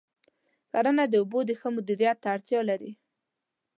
کرنه د اوبو د ښه مدیریت ته اړتیا لري.